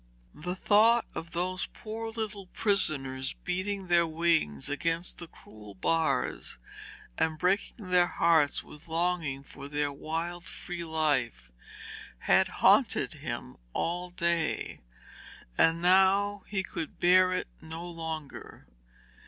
The thought of those poor little prisoners beating their wings against the cruel bars and breaking their hearts with longing for their wild free life, had haunted him all day, and now he could bear it no longer.